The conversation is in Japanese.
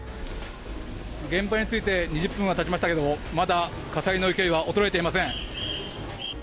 現場に着いて２０分が経ちましたがまだ火災の勢いは衰えていません。